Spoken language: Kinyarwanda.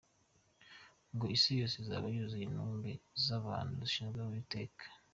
Ngo isi yose izaba yuzuye intumbi z’abantu bishwe n’Uwiteka.